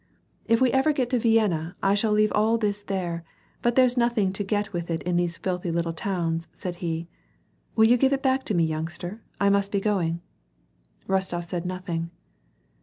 " If we ever get to Vienna I shall leave all this there, but there's nothing to get with it in these filthy little towns " said he. " Well, give it back to me, youngster, 1 must be going." Rostof said nothing.